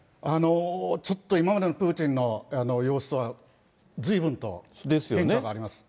ちょっと今までのプーチンの様子とは、ずいぶんと変化があります。